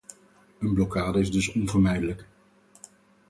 Een blokkade is dus onvermijdelijk.